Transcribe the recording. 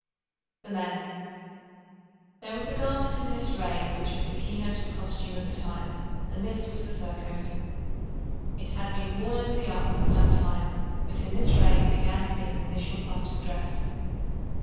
THE MEN There was a garment in this reign which was the keynote of costume at the time, and this was the surcoat. It had been worn over the armour for some time, but in this reign it began to be an initial part of dress.